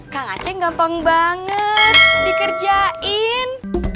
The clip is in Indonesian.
kang aceh gampang banget dikerjain